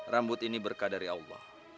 rambut ini berkah dari allah